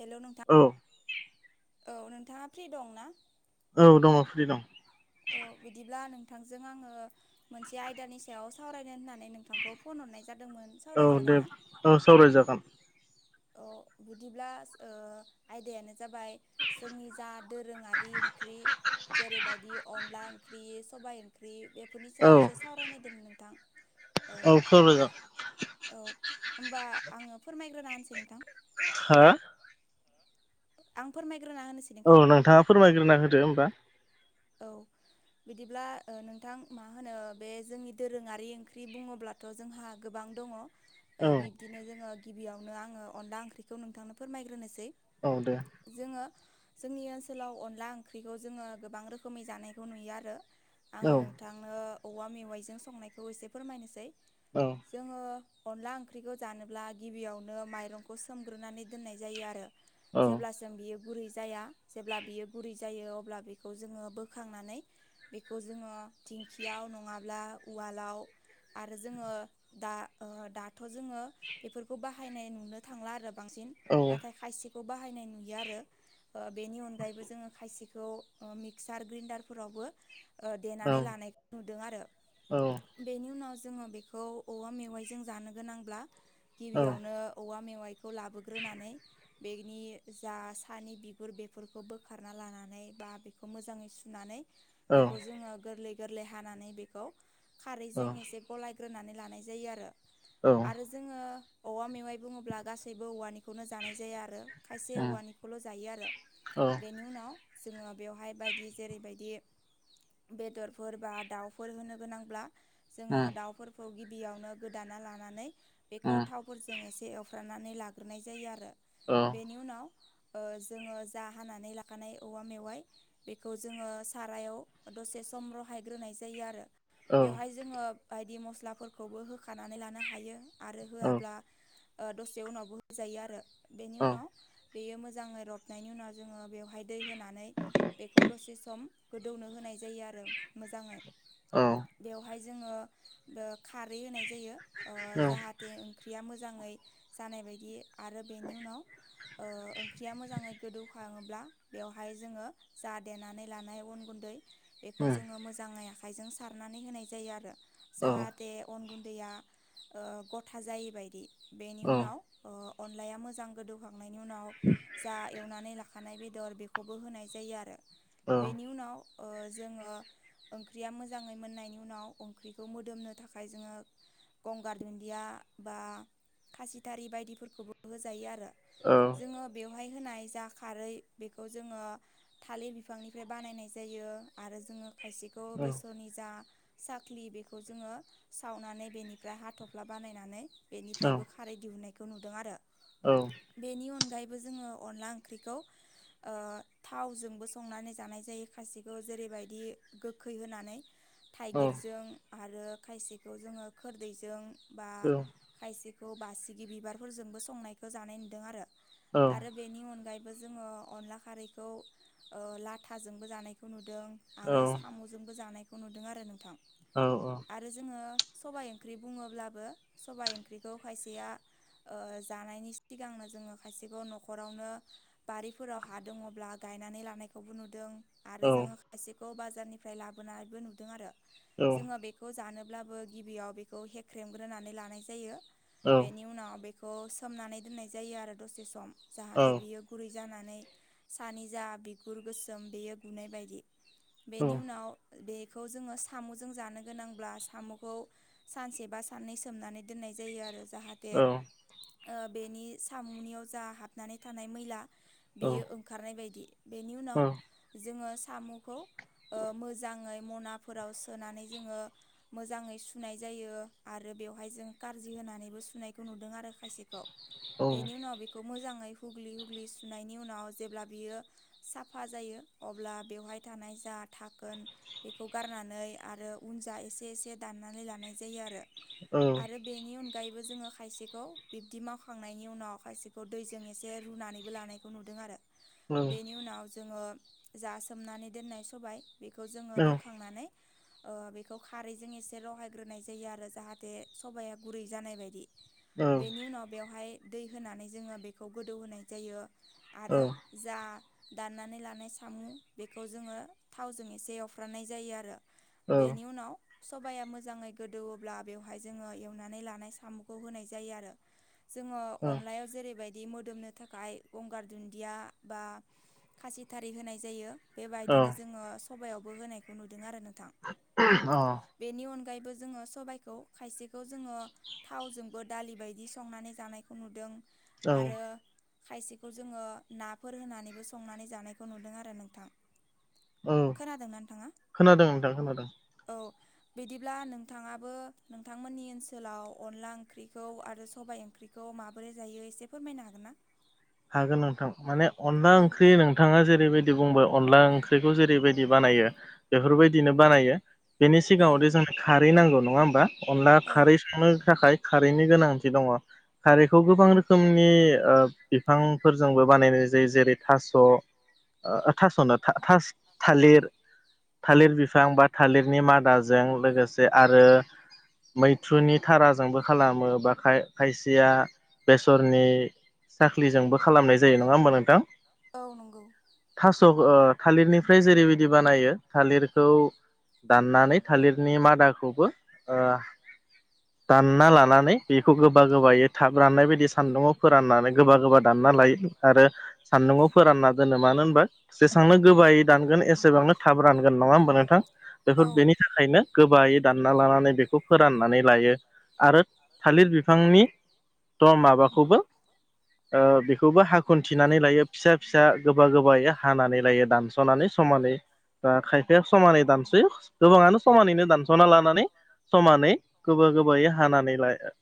हेल' नोंथां औ औ नोंथाङा फ्रि दं ना? औ दङ फ्रि दं औ बिदिब्ला नोंथांजों आङो मोनसे आयदानि सायाव सावरायनो होननानै नोंथांखौ फन हरनाय जादोंमोन औ सावरायजागोन दे ना? औ सावरायजागोन अ बिदिब्ला ओ आयदायानो जाबाय जोंनि जा दोरोङारि ओंख्रि जेरैबायदि अनला ओंख्रि सबाइ ओंख्रि बेफोरनि औ सायाव इसे सावरायनायदोंमोन नोंथां ओ औ सावरायजागोन औ ओमबा आङो फोरमायग्रोना होनसै नोंथां हा? आं फोरमायग्रोना होनोसो औ नोंथाङा फोरमायग्रोना होदो ओमबा औ बिदिब्ला ओ नोंथां मा होनो बे जोंनि दोरोङारि ओंख्रि बुङोब्ला थ' जोंहा गोबां दङ औ ओ बिब्दिनो जोङो गिबियावनो आङो अनला ओंख्रिखौ नोंथांनो फोरमायग्रोनोसै औ दे। जोङो जोंनि ओनसोलाव अनला ओंख्रिखौ जोङो गोबां रोखो खोमै जानायखौ नुयो आरो औ आङो नों थांनो औवा मेवाइजों संनायखौ इसे फोरमायनोसै औ जोङो अनला ओंख्रिखौ जानोब्ला गिबियावनो माइरंखौ सोमग्रोनानै दोननाय जायो आरो औ जेब्ला जों बियो गुरै जाया जेब्ला बियो गुरै जायो अब्ला बेखौ जोङो बोखांनानै बेखौ जोंङो दिंखियाव नङाब्ला उवालाव आरो जोंङो दा ओ दाथ' जोंङो बेफोरखौ बाहायनाय नुनो थांला आरो बांसिन औ नाथाय खायसेखौ बाहायनाय नुयो आरो बेनि अनगायैबो जोंङो खायसेखौ सार ग्रिन्डारफोरावबो ओ औ देनानै लानायखौ नुदों आरो औ बेनि उनाव जोङो बेखौ औवा मेवाइजों जानो गोनांब्ला गिबियावनो औवा मेवाइखौ लाबोग्रोनानै बेनि जा सानि बिगुर बेफोरखौ बोखारना लानानै बा बे बेखौ मोजाङै सुनानै औ बेखौ जोंङो गोरलै गोरलै हानानै बेखौ औ खारैजों एसे गलायग्रोनानै लानाय जायो आरो औ आरो जोंङो औवा मेवाइ बुङोब्ला गासैबो औवानिखौनो जानाय जाया आरो। खायसे उम औवानिखौल' जायो आरो औ उम बेनि उनाव जोंङो बेवहाय बायदि जेरैबायदि बेदरफोर बा दाउफोर होनो गोनांब्ला जोंङो औ दाउफोरखौ गिबियावनो गोदाना लानानै औ बेखौ थावफोरजों एसे एव फ्राननानै लाग्रोनाय जायो आरो बेनि उनाव जोंङो जा हानानै लाखानाय औवा मेवाइ बेखौ जोंङो सारायाव दसे सम रहायग्रोनाय जायो आरो बेवहाय जोंङो बायदि मस्लाफोरखौबो होखानानै लानो हायो आरो होआब्ला दसे उनावबो होजायो आरो औ बेनि औ उम उनाव बेयो मोजाङै रबनायनि उनाव जोंङो बेवहाय दै होनानै बेखौ दसे सम गोदौनो होनाय जायो आरो मोजाङै औ औ बेवहाय जोंङो खारै होनाय जायो औ जाहा थे ओंख्रिया मोजाङै जानाय बायदि आरो बेनि उनाव ओ ओंख्रिया मोजाङै गोदौखाङोब्ला बेवहाय जोंङो जा देनानै लानाय अन गुन्दै बेखौ जोंङो मोजाङै आखायजों सारनानै होनाय जायो आरो जाहाथे अन गुन्दैया गथा जायै बदि औ बेनि उनाव अनलाया मोजां गोदौखांनायनि उनाव जा एवनानै लाखानाय बेदर बेखौबो होनाय जायो आरो। बेनि उनाव ओ जोंङो ओंख्रिया मोजाङै मोननायनि उनाव ओंख्रिखौ मोदोमनो थाखाय जोंङो गंगार दुन्दिया बा खासिथारि बायदिफोरखौबो होजायो आरो। औ जोंङो बेवहाय होनाय जा खारै बेखौ जोंङो थालिर बिफांनिफ्राय बानायनाय जायो आरो जोंङो खायसेखौ बेसरनि जा साख्लि बेखौ जोंङो सावनानै बेनिफ्राय हाथ'फ्ला बानायनानै बेनिफ्राय बो खारै दिहुननायखौ नुदों आरो। औ बेनि अनगायैबो जोंङो अनला ओंख्रिखौ ओ थावजोंबो संनानै जानाय जायो खायसेखौ जेरैबायदि गोखै होनानै थाइगिरजों आरो खायसेखौ जोंङो खोरदैजों बा खायसेखौ बासिगि बिबारफोरजोंबो संनायखौ जानाय नुदों आरो आरो बेनि अनगायैबो जोंङो अनला खारैखौ लाथाजोंबो जानायखौ नुदों आरो साम'जोंबो जानायखौ नुदों आरो नोंथां औ औ आरो जोंङो सबाय ओंख्रि बुङोब्लाबो सबाइ ओंख्रिखौ खायसेया ओ जानायनि सिगांनो जोंङो खायसेखौ न'खरावनो बारिफोराव हा दङ ब्ला गायनानै लानायखौबो नुदों आरो जोंङो खायसेखौ बाजारनिफ्राय लाबोनायबो नुदों आरो। जोंङो बेखौ जानोब्लाबो गिबियाव बेखौ हेख्रेमग्रोनानै लानाय जायो। औ बेनि उनाव बेखौ सोमनानै दोननाय जायो आरो दसे सम जाहाथे औ बियो गुरै जानानै सानि जा बिगुर गोसोम बेयो गुनाय बायदि। बेनि उनाव बेखौ जोङो साम'जों जानो गोनांब्ला साम'खौ सानसे बा साननै सोमनानै दोननाय जायो आरो जाहाथे खोनादों ओ बेनि सामुनियाव जा हाबनानै थानाय मैला बेयो ओंखारनाय बायदि बेनि उनाव जोङो सामुखौ ओ मोजाङै मनाफोराव सोनानै जोंङो मोजाङै सुनाय जायो आरो बेवहाय जों कारज्रि होनानैबो सुनायखौ नुदों आरो खायसेखौ। बेनि उनाव बेखौ मोजाङै हुग्लि हुग्लि सुनायनि उनाव जेब्ला बेयो साफा जायो अब्ला बेवहाय थानाय जा धाखोन बेखौ गारनानै आरो उनजा एसे एसे दाननानै लानाय जायो आरो आरो बेनि अनगायैबो जोङो खायसेखौ बिब्दि मावखांनायनि उनाव खायसेखौ दैजों एसे रुनानैबो लानाय खौ नुदों आरो। बेनि उनाव जोङो जा सोमनानै दोननाय सबाय बेखौ जोङो बोखांनानै ओ बेखौ खारैजों एसे रहायग्रोनाय जायो आरो जाहाथे सबाया गुरै जानाय बायदि। बेनि नोंथां उनाव बेवहाय दै होनानै जोङो बेखौ गोदौ होनाय जायो आरो जा दाननानै लानाय सामु बेखौ जोङो थावजों एसे एवफ्रानाय जायो आरो। बेनि उनाव सबाया मोजाङै गोदौवोब्ला बेवहाय जोङो एवनानै लानाय सामुखौ होनाय जायो आरो। जोङो अनलायाव जेरैबायदि मोदोमनो थाखाय गंगार दुन्दिया बा खासि थारि होनाय जायो बेबायदिनो जोङो सबायावबो होनायखौ नुदों आरो नोंथां। अ बेनि अनगायैबो जोङो सबायखौ खायसेखौ जोङो थावजोंबो दालि बायदि संनानै जानायखौ नुदों। आरो खायसेखौ जोङो ना फोर होनानैबो संनानै जानायखौ नुदों आरो नोंथां। खोनादोंना नोंथाङा? खोनादों औ। बिदिब्ला नोंथाङाबो नोंथांमोननि ओनसोलाव अनला ओंख्रिखौ आरो सबाय ओंख्रि खौ माबोरै जायो एसे फोरमायनो हागोन ना? हागोन नोंथां। माने अनला औ ओंख्रि नों नोंथाङा जेरैबायदि बुंबाय अनला ओंख्रिखौ जेरैबायदि बानायो बेफोरबायदिनो बानायो। बेनि औ सिगाङावदि जोंनो खारै नांगौ नङा होमबा अनला औ खारै संनो थाखाय खारैनि गोनांथि दङ खारैखौ गोबां रोखोमनि ओ बिफांफोरजोंबो बानायनाय जायो जेरै थास' ओ थास'नो था-थास थालिर थालिर बिफां बा थालिरनि मादाजों लोगोसे आरो मैथ्रुनि थाराजोंबो खालामो बा खाय-खायसेया बेसरनि साख्लिजोंबो खालामनाय जायो नङा होमबा नोंथां? औ नंगौ। थास' ओ थालिरनिफ्राय जेरैबायदि बानायो थालिरखौ दाननानै थालिरनि मादाखौबो ओ दानना लानानै बेखौ गोबा गोबायै थाब राननाय बायदि सान्दुङाव फोराननानै गोबा गोबा दानना लायो आरो सान्दुङाव फोरानना दोनो मानो होनबा जेसेबांनो गोबायै दानगोन एसेबांनो थाब रानगोन नङा होमबा नोंथां? बेफोर औ बेनि थाखायनो गोबायै दानना लानानै बेखौ फोराननानै लायो। आरो थालिर बिफांनि द माबाखौबो ओ बेखौबो हाखुन्थिनानै लायो फिसा फिसा गोबा गोबायै हानानै लायो दानस सावनानै समानै ओ खायफाया समानै दान जायो गोबाङानो समानैनो दानस'ना लानानै समानै गोबायै गोबायै हानानै लायो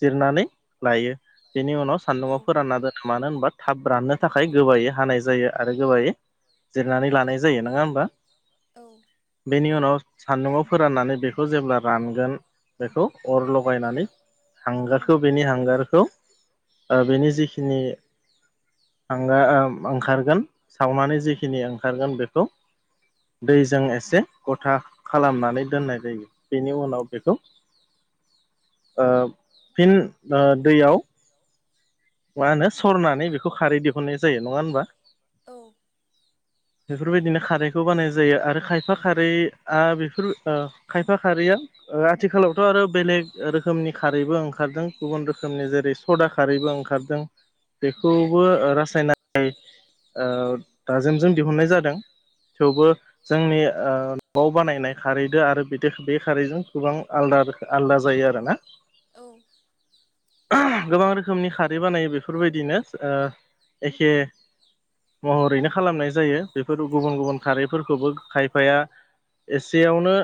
जिरनानै लायो बेनि उनाव औ सान्दुंआव फोरानना दोनो मानो होनबा थाब राननो थाखाय गोबायै हानाय जायो आरो गोबायै जिरनानै लानाय जायो। नोङा होमबा? औ। बेनि उनाव सान्दुंआव फोराननानै बेखौ जेब्ला रानगोन बेखौ अर लगायनानै हांगारखौ बेनि हांगारखौ ओ बेनि जिखिनि हांगा ओम ओंखारगोन सावनानै जिखिनि ओंखारगोन बेखौ दैजों एसे गथा खालामनानै दोननाय जायो। बेनि उनाव बेखौ ओ फिन ओ दैयाव मा होनो सरनानै बेखौ खारै दिहुननाय जायो। नङा होनबा? औ। बेफोरबायदिनो खारैखौ बानाय जायो आरो खायफा खारैआ बेफोर ओ खायफा खारैया ओ आथिखालावथ' आरो बेलेग रोखोमनि खारैबो ओंखारदों गुबुन रोखोमनि जेरै सदा खारैबो ओंखा खारदों बेखौबो ओ रासायनानै ओ दाजेमजों दिहुननाय जादों थेवबो जोंनि ओ न'आव बानायनाय खारैदो आरो बेदो बे खारैजों गोबां आलदा रो आलदा जायो आरोना। औ। गोबां रोखोमनि खार रै बानायो बेफोरबायदिनो ओ एखे महरैनो खालामनाय जायो बेफोर गुबुन गुबुन खारैफोरखौबो खायफाया एसेयावनो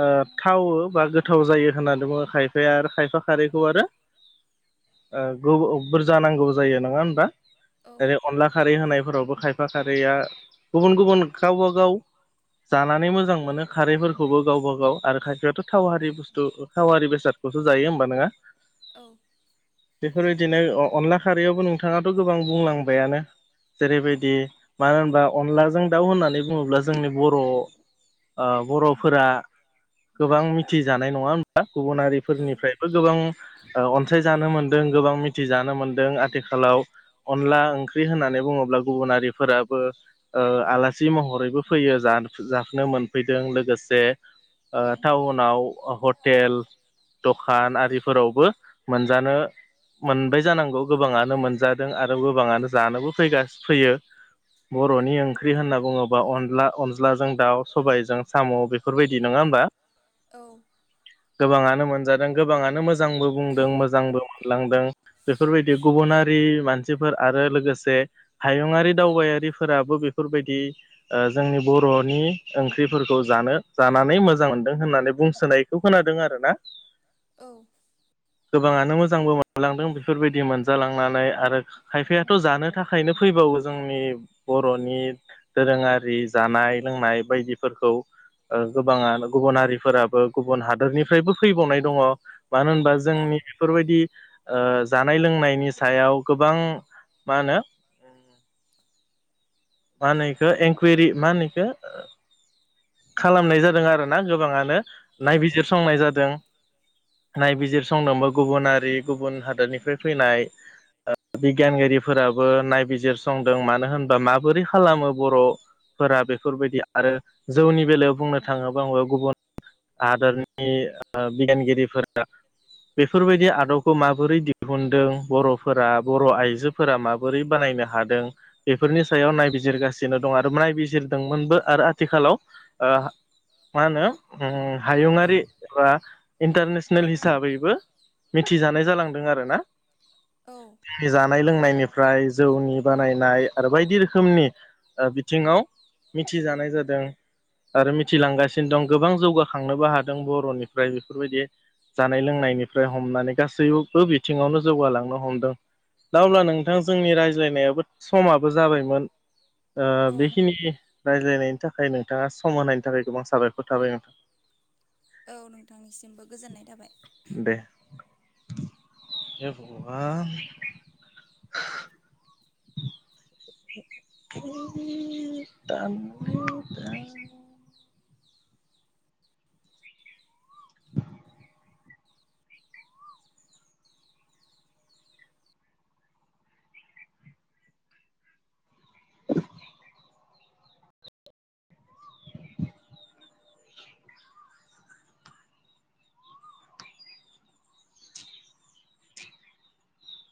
ओ थावो बा गोथाव जायो होननानै बुङो खायफाया आर खायफा खारैखौ आरो ओ गौ औ बुरजा नांगौ जायो। नोङा होमबा? जेरै अनला खारै होनायफोरावबो खायफा खारैया गुबुन गुबुन गावबागाव जानानै मोजां मोनो खारैफोरखौबो गावबागाव आरो खायफायाथ' थाव हारि बुस्थु ओ थावारि बेसादखौसो जायो होमबा ना। औ। बेफोरबायदिनो अ-अनला खारैयावबो नोंथाङाथ' गोबां बुंलांबायानो। जेरैबायदि मानो होनबा अनलाजों दाउ होननानै बुङोब्ला जोंनि बर' ओ बर'फोरा गोबां मिथिजानाय। नङा होमबा? गुबुन हारि फोरनिफ्रायबो गोबां ओ अनसायजानो मोनदों गोबां मिथिजानो मोनदों आथिखालाव अनला ओंख्रि होननानै बुङोब्ला गुबुन हारिफोराबो ओ आलासि महरैबो फैयो जान जाफैनो मोनफैदों लोगोसे ओ टाउनाव ओ हटेल दखान आरिफोरावबो मोनजानो मोनबाय जानांगौ गोबाङानो मोनजादों आरो गोबाङानो जानोबो फैगास फैयो बर'नि ओंख्रि होनना बुङोब्ला अनला अन्लाजों दाउ सबायजों साम' बे बेफोरबायदि नोङा होमबा? औ। गोबाङानो मोनजादों गोबाङानो मोजांबो बुंदों मोजांबो लांदों बेफोरबायदि गुबुनारि मानसिफोर आरो लोगोसे हायुङारि दावबायारिफोराबो बेफोरबायदि ओ जोंनि बर'नि ओंख्रिफोरखौ जानो जानानै मोजां मोनदों होननानै बुंसोनाय बेखौ खोनादों आरोना। औ। गोबाङानो मोजांबो मोनलांदों बेफोरबायदि मोनजालांनानै आरो खायफायाथ' जानो थाखायनो फैबावो जोंनि बर'नि दोरोङारि जानाय लोंनाय बायदिफोरखौ ओ गोबाङानो गुबुन हारिफोराबो गुबुन हादोरनिफ्रायबो फैबावनाय दङ मानो होनबा जोंनि बेफोरबायदि ओ जानाय लोंनायनि सायाव गोबां मा होनो मा होनोखौ इनकुवेरि मा होनो इखो खालामनाय जादों आरो ना गोबाङानो औ औ नायबिजिरसंनाय जादों। नायबिजिर संदोंबो गुबुनारि गुबुन हादरनिफ्राय फैनाय ओ बिगियानगिरिफोराबो नायबिजिरसंदों मानो होनबा माबोरै खालामो बर' फोरा बेफोरबायदि आरो जौनि बेलायाव बुंनो थाङोब्ला गुबुन हादोरनि बिगियानगिरिफोरा बेफोरबायदि आदबखौ माबोरै दिहुनदों बर'फोरा बर' आइजो फोरा माबोरै बानायनो हादों बेफोरनि सायाव नायबिजिरगासिनो दं आरो नायबिजिरदोंमोनबो आरो आथिखालाव ओ मा होनो उम हायुङारि एबा इन्टारनेसनेल हिसाबैबो मिथिजानाय जालांदों आरो ना। औ। जानाय लोंनायनिफ्राय जौनि बानायनाय आरो बायदि रोखोमनि बिथिङाव मिथिजानाय जादों। आरो मिथिलांगासिनो दं गोबां जौगाखांनोबो हादों बर'निफ्राय बेफोरबायदि जानाय लोंनायनिफ्राय हमनानै गासैबो बिथिङावनो जौगालांनो हमदों दा अब्ला नोंथां जोंनि रायज्लायनायाबो समाबो जाबायमोन। ओ बेखिनि रायज्लायनायनि थाखाय नोंथाङा सम होनायनि थाखाय गोबां साबायखर थाबाय नोंथां। औ नोंथांनिसिमबो गोजोननाय थाबाय। दे। [inaudible] [unintelligible] [inaudible] [unintelligible] [inaudible]